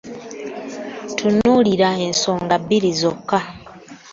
Tutunuulire ensonga bbiri zokka.